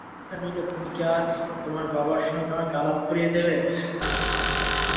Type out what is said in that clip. আচ্ছা নীলু, তুমি কি আজ তোমার বাবার সঙ্গে আমাকে আলাপ করিয়ে দেবে?